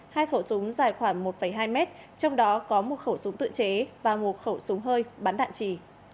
hai khẩu súng dài khoảng một hai mét trong đó có một khẩu súng tự chế và một khẩu súng hơi bắn đạn trì